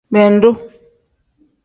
Bendu.